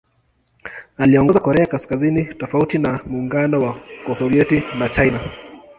Aliongoza Korea Kaskazini tofauti na Muungano wa Kisovyeti na China.